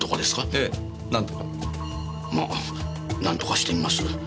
まあなんとかしてみます。